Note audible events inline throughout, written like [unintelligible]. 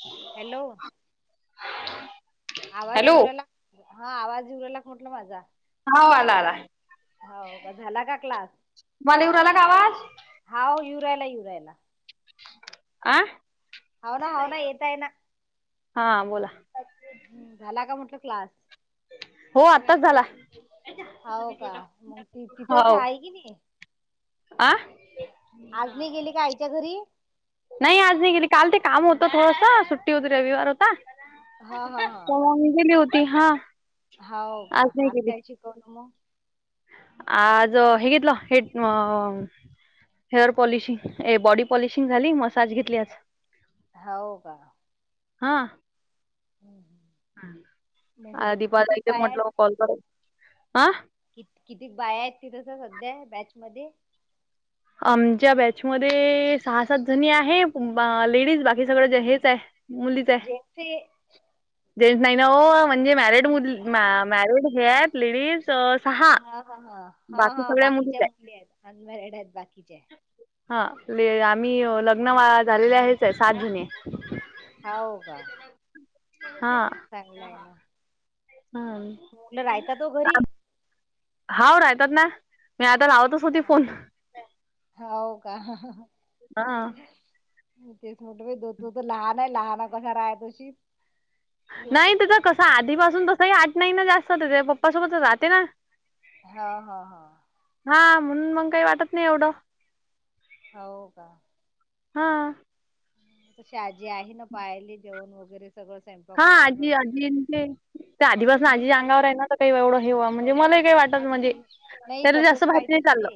Shoe hello ह हा [unintelligible] आवाज इवूरायला हा आवाज इवूरायला का म्हणटलं माझा हो आला आला. हाव का झाला का क्लास तुम्हाला येऊ राहिला का आवाज हाव येवु राहायला येवु राहायला आं? हावना हावना येताय ना. हा बोला. हो झाला का म्हटलं क्लास? हो आत्ताच झाला हाव का मग ती तिथंच आहे की नाही आं आज नाही गेली का आईच्या घरी? नाही आज नाही गेली काल ते काम होतं थोडस सुट्टी होती रविवार होता हा हा परवानगी दिली होती हा. हो का आज नाही गेली आजकाय शिकवल मग? आज हे घेतलं हे अ हेअर पॉलिशिंग ए बॉडी पॉलिशिंग झाली मसाज घेतलीयास हो का? हां. हम् मगुठं दीपाला किती इथे पाया म्हटलं [unintelligible] कॉल करु, आं? कि किती बाया आहेत तिथस सध्या बॅचमध्ये आमच्या बॅचमध्ये सहा सात जणी आहे लेडीज बाकी सगळं हेच आहे. जेन्टसे जेन्ट्स नाही ना म्हणजे मॅरिड मुली मॅरिड हे आहेत लेडीज सहा हा हा बाकी सगळ्या मुलीच आहे. अन मॅरिड आहेत बाकीचेे. हा आम्ही लग्न झालेले आहेच आहे सात जनी हाव का? हा हम्म. मुल राहता का घरी? हाव राहतात ना मी आता राहवत ह हो का? हा तेच म्हणत दो तो तर लहान आहे लहान कश राय तशी नाही तिथं कसं आधीपासून तसंही आठ नाही ना जास्त तेच्या पप्पासोबत राहते ना हा हा हा. हा म्हणून मग काही वाटत नाही एवढं. हो का? हा. अशा आजी आहे ना पाहाले जेवण वगैरे. सगळ स हा आजी, आजी. ते आधीपासून आजी हम्म अंगावर आहे ना तर काही एवढं हे‌व म्हणजे मलाही काही वाटत म्हणजे नाही नाही तरी जास्त तसच भातने पाहिजेत चाललं ते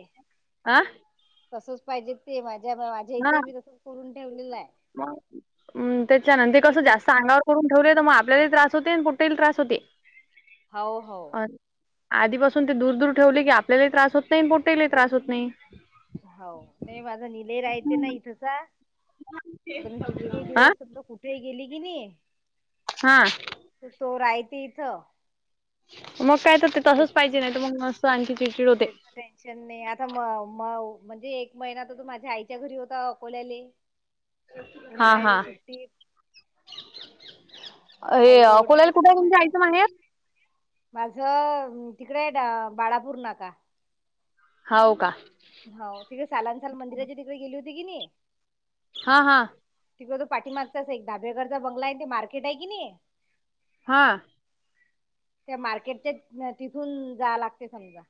हा. तसच पाहिजे ते माझ्या माझ्या हा इथे मी तसंच करून ठेवलेलं आहे. हम्म त्याच्यानंतर आणि कसं म्हणजे जास्त मी- आंगाव करून ठेवले तर मग आपल्याला त्रास होते आणि कुठेही त्रास होते. हो हो. अ आधीपासून ते दूर-दूर ठेवले की आपल्याला त्रास होत नाही पोटेलाही त्रास होत नाही. हो नाही माझा निले राहते ना इथंचा. आता मी किती काही हा दिवस कुठेही गेली की नाही. हा. तो राहते इथं. मग काय तर ते तसंच तेच पाहिजे नाही तर मग मस्त आणखी चिडचिड होते. तेच टेन्शन नाही आता म म म्हणजे एक महिना तर तो माझ्या आईच्या घरी होता अकोल्याले. [inaudible] हा उन्हाळ्याच्या हा सुट्टी. अ हे आईजवळ अकोलाला राहिला कुठे तू तुमच्या माझ्या आईचं माहेर? माझं तिकडे बाळापूर नाका. होव का? हो तिकडे सालानसाल मंदिराची तिकडे गेली होती की नाही. हा हा. तिकडे तो पाठीमागताच आहे एक डाबेगरचा बंगला आहे आणि ते मार्केट आहे कि नाही. हा. त्या मार्केटच्या तिथून जाय लागते समजा.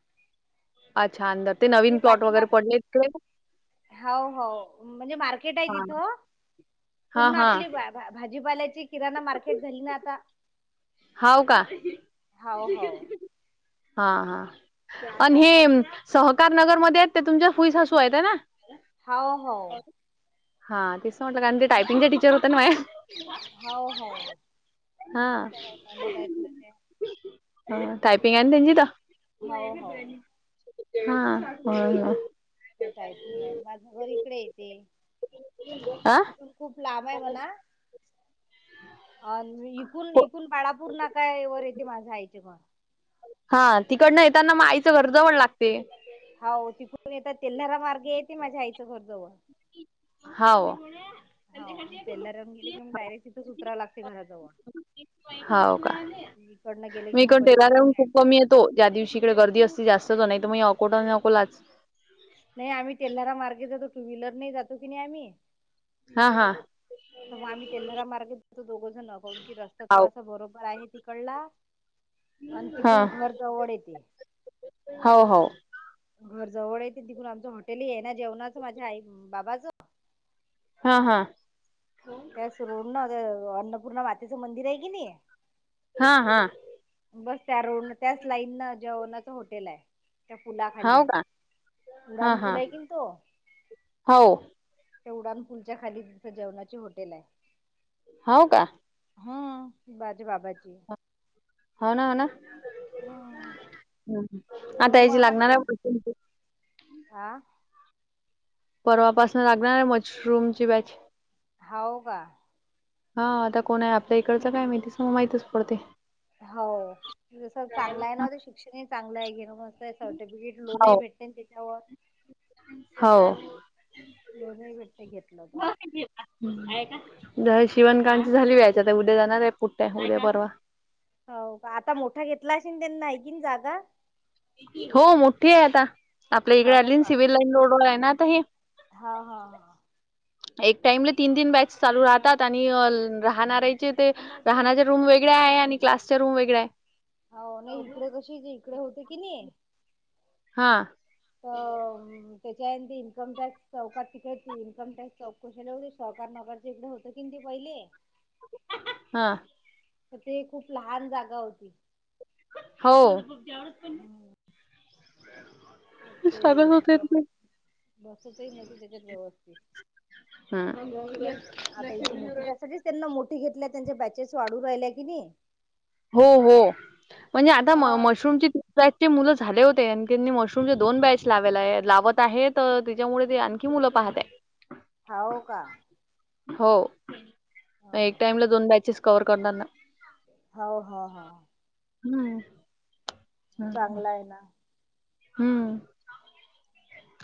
अच्छा! अंदर ते नवीन प्लॉट वगैरे पडले ते. हो हो म्हणजे मार्केट आहे तिथ हा पूर्ण हा आपलीच आहे. भाजीपाल्यायची किराणा मार्केट झाली ना आता? हो का? हो हो हा हा आणि हे सहकार नगरमध्ये आहेत ते तुमच्या फुई सासू आहेत आहे ना? हो हो. हा तेसं म्हटलं आणि ते टायपिंगचे टीचर होते ना. हाव हाव हा. त्या ननद ते टायपिंग आहे ना त्यांची तर. हाव हाव [inaudible] हा होय. त्या टायपिंग आहे माझं घर इकडे येते. आ [inaudible] खूप लांब आहे म्हणा. अ इथून-इथून बाळापूर नाका एवर येते माझं आईचे पण. हा तिकडनं येताना मग आईचं घर जवळ लागते. हो तिथून येत तेल्हारा मार्ग आहेेत ते माझ्या आईचं घरजवळ. हाव. हा म तेेलरांग गेली की मग डायरेक्ट तिथच उतराव लागते घराजवळ. हाव का इकडनं गेले की मग बस स्टँड व तो ज्या दिवशी इकडे गर्दी असती जास्तच नाही तर मग अकोटा नकोलाच नाही आमी टेल्हार मार्गे जातो टू व्हीलर नाही जातो की नाई आमी हा हा तर मग आम्ही तेल्हरा मार्गेत जातो दोघं जण बगु की रस्ता हाव थोडासा बरोबर आहे तिकडला आण हा तिकून घर जवड येते हाव हाव घर जवळहे ते तिकून आमचं हॉटेल इआय ना जेवणाच माझ्या आई बाबाचं हा हा त्याच रोड ना ते अन्नपूर्णा मातेचं मंदिर आय कनी हा हा बस त्या रोड ल त्याच लाईन न जेवणाचं होटेलाय त्या पुला खाली हाव का उडान पुल हाय कनी तो हओ हे उडानपूलच्या खाली तिथं जेवणाची होटेलाय हाओ का हा माजे बाबाची हाओ ना हाओ ना हम्म आता म्हणून मग याची आम्हाला लागणाराए हा परवापासून लागणारात मशरूम ची बाची हाओ का हा आता कोणय आपल्या इकडचं काय माहिती स म माहितच पडते हो जसं चांगलाय ना ते शिक्षणही चांगलाय घे मं सर्टिफिकेट लोनही भेट तेच्यावर हाओ लोनही भेटतय घेतलं त शिवणकांची झाली बॅच आता उद्या जाणाराय पुठ्या उद्या परवा हाओ का आता मोठा घेतला असेल त्यांन ऐकीन जागा हो मोठीये आता आपल्या इकडे हो आलीन का सिव्हल लाईन रोड उन हाय ना आता हे हा हा हा एक टाइमला तीन तीन बॅच चालू राहतात आणि अल राहणार्याचे ते राहण्याच्या रूम वेगळ्या आहे आणि क्लासच्या रूम वेगळ्या आहे हो नाई इकडे कशी इकडे होते कीनी हां अ त्याच्या इन्कम टॅक्स चौकात तिक त इनकम टॅक्स चौ कुशाला एवढे सहकार नकारच इकडें होत की ते पहिले हा तर ते खूप लहान जागा होती हो ते सांगत होते ति व्यवस्थित बसतही नवत तेच्यात व्यवस्थित हा आता इते मोटी त्यासाठीच त्यांना मोटी घेतल्या त्यांच्या बॅचेस वाढू राहिल्या किनइ हो हो म्हणजे आता म हा ते- मशरूमची चे मुलं झाले होते आणखीनी मशरूमचे दोन बॅच लावलाए लावत आहेत तेच्यामुळे ते आण की मुलं पाहतए हाओका हो एक हा टाइमला दोन बॅचेस कव्हर करणार ना हाव हा हा हम्म चांगला आहे ना? हम्म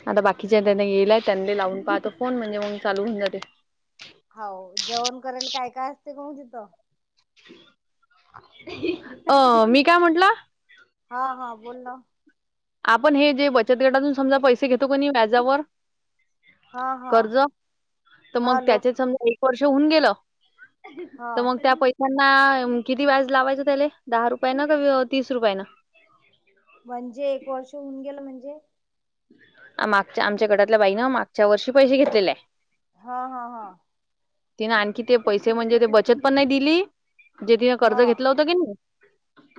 आता बाकीच्या त्यांना गेलाय त्यांनी लावून पाहतोन म्हणजे मग चालू होऊन जाते. हाऊ जेवण केल काय काय असते काण तिथं. अ मी काय म्हटलं? हा हा बोलल. आपण हे जे बचत गटातून समजा पैसे घेतो का नाही व्याजावर. हा हा कर्ज तर मग हा लोक त्याचे समजा. वर्ष होऊन गेलं हा तर मग त्या पै त्यांना किती व्याज लावायचं त्याले? दहा रुपयान क तीस रुपयान? म्हणजे एक वर्ष होऊन गेलं म्हणजे? मागच्या आमच्या गटातल्या बाईनं मागच्या वर्षी पैसे घेतलेले आहे. हा हा हा तिने आणखी ते पैसे म्हणजे ते बचत पण नाही दिली. जेथि कर्ज हा घेतला होता की नाई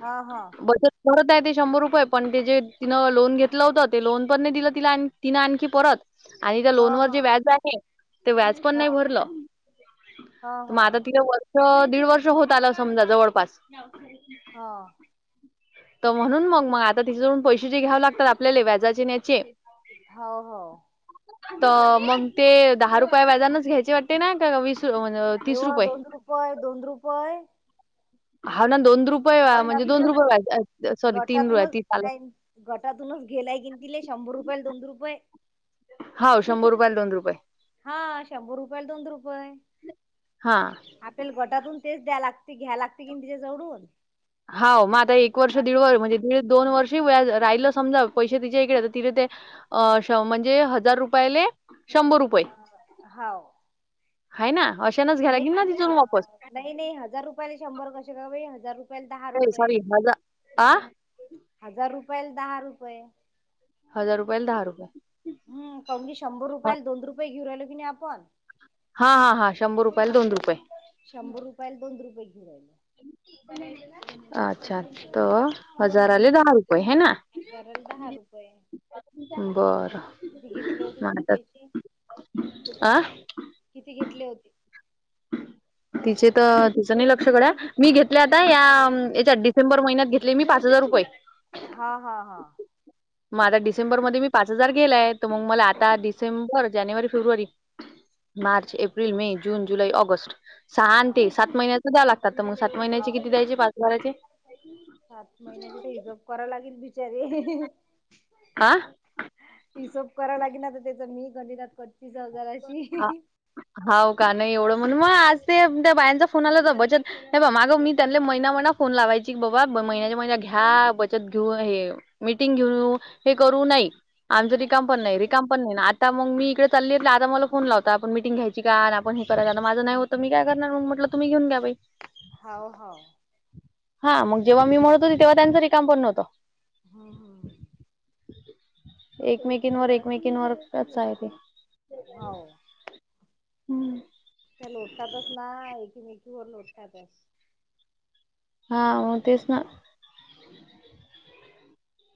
हा हा बचत परत आहे ते शंभर रुपये पण ते जे तिनं लोन घेतलं होतं ते लोन. पने दिलं तिला तिं आणखी परत आणि त्या हा लोन वर जे हा व्याज आहे ते व्याज पण हा नाही भरलं. हा तर मग आता हा तिथं वर्ष दीड वर्ष होत आलं समजा जवळपास. हा तर म्हणून मग मग आता तिथ जून पैसे जे घ्याव लागतात आपल्याले व्याजाचे न्याचे. हा हो तर मग ते दहा रुपये व्याजानच घ्यायचे वाटते ना का वीस रये म्हणज ओ हो दोन रुपय दोन रुपय. हा ना दोन रुपये वा म्हणजे दोन गटातूनच घे- रुपये सॉरी तीन रुपये तीस आलं गटातूनच गटातूनच घेलाय की तिले शंभर रुपयाल दोन रुपये. हाव शंभर रुपयाल दोन रुपये. हा शंभर रुपयाला दोन रुपये. हा आपल्याल गटातून तेच द्या लागते घ्या लागते की तिच्या जवडून. हाव मग आता एक वर्ष दीड व म्हणजे. त दोन वर्षी व राहिलं समजा पैसे तिच्या इकडे तिथे ते. अ श म्हणजे हजार रुपयाले. अ हाव हाय ना अशानाच घ्याला की ना तिथून वापस. हे नइ हजार रुपयाला शंभर कसे काई हजार रुपयाला दहा नाही रुपये. सॉरी हजार आ? हजार रुपयाला दहा रुपये. हजार रुपयाला दहा रुपये हम कावुन की शंभर रुपयाला दोन रुपये घेऊ राहिलो की नाही आपण हा हा हां शंभर रुपयाला दोन रुपये शंभर रुपयाला दोन रुपये घेऊ राहीलो [inaudible] अच्छा त हा हजारा ले दहा रुपये हे ना हजाराला दहा रुपये बरं किती घेतले होते मग तिने आता पैशे? आ? किती घेतले होते? तिचे तर तिचं नाय लक्ष गड्या मी घेतल्या आता या याच्यात मीलसाठी डिसेंबर महिन्यात घेतले मी पाच हजार रुपये. हा हा हा. मग आता डिसेंबर मध्ये मी पाच हजार गेलाय तर मग मला आता डिसेंबर जानेवारी फेब्रुवारी. मार्च, एप्रिल, मे, जून, जुलै, ऑगस्ट सहा न हा ते सात महिन्याच द्या लागत. आता मग सात हा महिन्याचे किती द्यायचे पाचभराचे? सात महिन्याचे ते हिशोब कराय लागेल बिचारे आ हिशोब कराय लागेल ना तर आता त्याच मी गणितात कच्चीचं हाय हा- जराशी. हाव का नाई एवढं म्हणून मग आज ते त्या बायांचा फोन आला तर बचत नाही बा माग मी त्यांले महिना महिना फोन लावायची की बाबा ब महिन्याच्या महिन्या घ्या बचत घेऊन हे मीटिंग घेऊन येऊ हे करू नाई. आमचं हा रिकाम पण नाय रिकाम पण नाय ना आता मग मी इकडे चालले आत तर मला फोन लावता आपण मिटिंग घ्यायची का? आन आपण हे करायला ना माझं नाय होतं मी काय करणार म्हटलं तुम्ही घेऊन घ्या बाई. होव होव. हा मग जेव्हा मी म्हणत होती तेव्हा त्यांच रिकाम पण नव्हतं. हा हा. एकमेकिंवर एकमेकिंवर कचा हाय ते. हाव. हम्म. त्या लोटतातच ना एकीमेकीवर लोटतातच. हां मग तेच ना.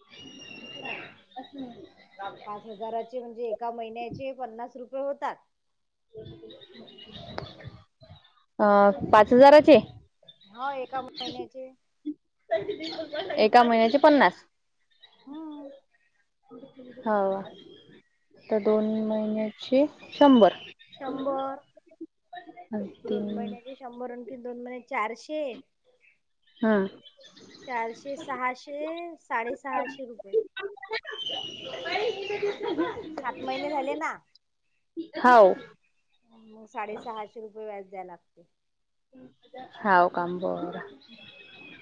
[inaudible] पाच हजाराचे म्हणजे एका महिन्याचे पन्नास रुपये होतात. अं पाच हजाराचे. हो एका महिन्याचे. एका महिन्याचे पन्नास. हम्म हाव तर दोन महिन्या ची शंभर शंभर दोन तीन महिन्याचे शंभर हून ते दोन महिन्याचे चारशे हां. चारशे सहाशे साडेसहाशे रुपये. [inaudible] सात महिने झाले ना. हाव. मग साडे सहाशे रुपये व्याज द्याय लागते. हाव का बरं. [inaudible]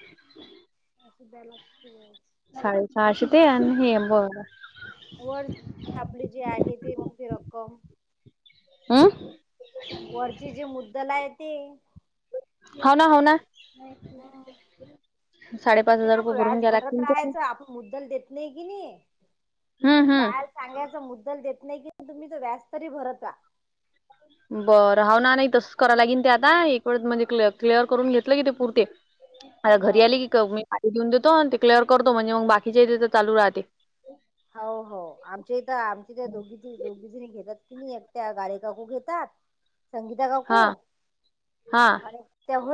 असं द्या लागतीलचं. साडे सहाशे ते आणि हे बरं. वर आपली जे आहे ते मग ती रक्कम हम्म. वरची जी मुद्दल हाय ते. हो ना हो ना. हम्म साडे पाच व्याज भरत राहायचं. आपण मुद्दल देत नाही की नी. हम्म हम्म. बाहेर सांगायचा मुद्दल देत नाही की नी तुम्ही, तर व्याज तरी भरत रहा. बरं, हाव ना. नाही तसं करायला लागेल ते आता एक वेस म्हणजे क क्लिअर करून घेतलं की ते पुरते, [unintelligible] आता घरी आली की मी देऊन देतो आणि ते क्लिअर करतो म्हणजे मग बाकीच्या [unintelligible] चालू राहते. हो हो, आमच्या इथं आमचे तर दोघी दोघी जणी घेतात की नाही एकट्या गाळेकाकू घेतात संगीता हा काकू हा आणि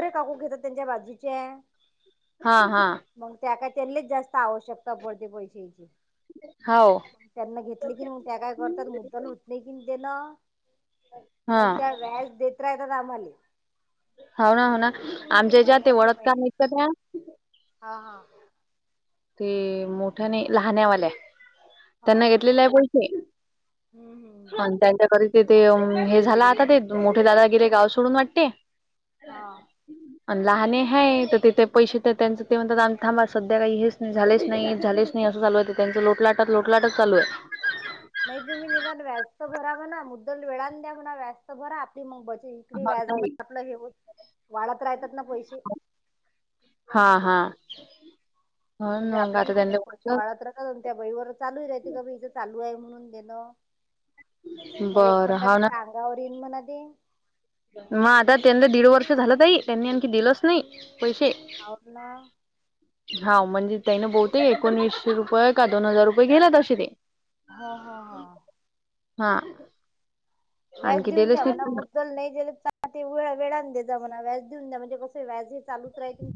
[unintelligible] काकू घेतात, त्यांच्या बाजूच्या. हा हा. मग त्या काय त्यांलेच जास्त आवश्यकता पडते पैशाची. हो. मग त्यांना घेतली कीन मग त्या काय करतात मुद्दाल उठ नाही कि देणा हा मग त्या व्याज देत राहय बघ आम्हाले. हाव ना हो ना. आमच्या ज्या ते महिन्याच्या ओळत का महिन्या नाहीत का त्या? हा हा. ते मोठ्या नाही लहाण्यावाल्या हा त्यांना घेतलेले आहे पैसे हम्म हम्म. आणि त्यांच्या घरी ते ते हे झाला. आता ते मोठे दादा गेले गाव सोडून वाटते. हा. अन् लहाने है तर तिथे पैसे तर त्यांच ते म्हणतात, आम्ही थांबा सध्या काही हेच झालेच नाही, झालेच नाही. असं चालू आहेत. त्यांचं लोटलाटत लोटलाटच चालू आहे. नाही तुम्ही निदान व्याज भरा म्हणा. मुद्दल वेळान द्या म्हणा. व्याज त भरा. आपली मग बज [unintelligible] हा व्याज नाही आपलं हे वाढत रायतात ना पैसे. हा हा. म्हणून म्हणजे मग आपल्या आता खात्यात त्यांना पैसे वाटलं वाढत राह ण त्या बाई व चालू राहते ग, बाई इथं चालू आहे म्हणून देणं. मग बरं एकखट्टा हाव ना किती अंगावर येईन म्हण ते. मग आता त्यांना दीड वर्ष झालं तई, त्यांनी आणखी दिलच नाही पैसे. [unintelligible] हा म्हणजे त्या ना बहुते एकोणवीसशे रुपये का दोन हजार रुपये गेला तशी ते. हा हा हा. हा. व्याज आणखी देऊन दिलेच द्या म्हणाव नाही मु दल नाही गेलं ते वेळ वेळान द्या म्हणा. व्याज देऊन द्या म्हणजे कसं व्याज हे चालूच राहितील.